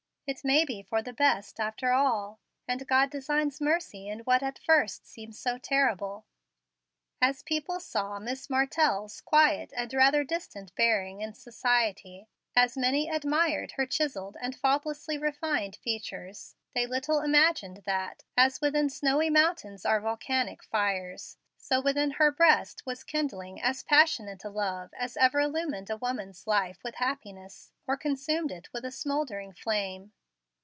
It may be for the best, after all, and God designs mercy in what at first seemed so terrible." As people saw Miss Marten's quiet and rather distant bearing in society, as many admired her chiselled and faultlessly refined features, they little imagined that, as within snowy mountains are volcanic fires, so within her breast was kindling as passionate a love as ever illumined a woman's life with happiness, or consumed it with a smouldering flame.